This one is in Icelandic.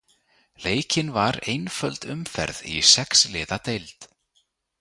Leikin var einföld umferð í sex liða deild.